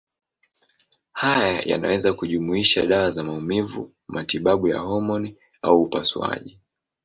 Haya yanaweza kujumuisha dawa za maumivu, matibabu ya homoni au upasuaji.